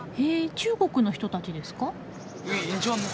中国の人たちですか？